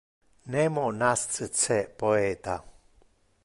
Nemo nasce poeta.